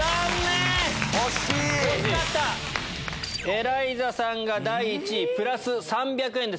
エライザさんが第１位プラス３００円です。